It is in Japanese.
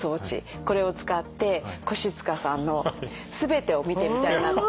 これを使って越塚さんのすべてを見てみたいなと思います。